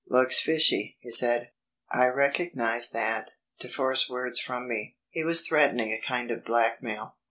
"Looks fishy," he said. I recognised that, to force words from me, he was threatening a kind of blackmail.